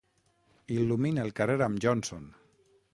Il·lumina el carrer amb Johnson!